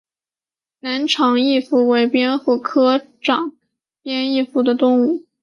南长翼蝠为蝙蝠科长翼蝠属的动物。